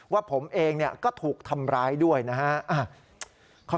ว่าผมเองก็ถูกทำร้ายด้วยนะฮะ